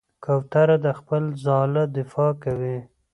کوتره د خپل ځاله دفاع کوي.